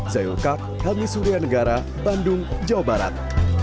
saya ulkaq helmi surya negara bandung jawa barat